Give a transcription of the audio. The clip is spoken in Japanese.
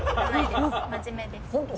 真面目です。